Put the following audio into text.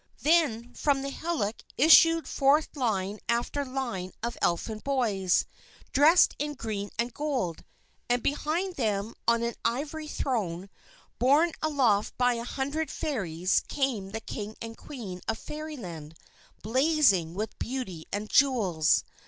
Then from the hillock issued forth line after line of Elfin boys dressed in green and gold, and behind them on an ivory throne, borne aloft by a hundred Fairies, came the King and Queen of Fairyland blazing with beauty and jewels.